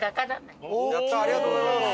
ありがとうございます！